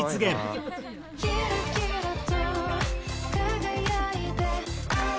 「キラキラと輝いて嗚呼」